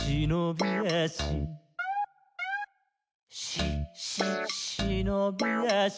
「し・し・しのびあし」